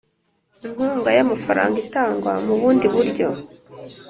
Inkunga y’amafaranga itangwa mu bundi buryo